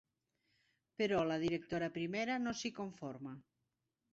Però la directora primera no s'hi conforma.